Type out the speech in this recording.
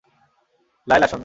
লায়লা, শোন।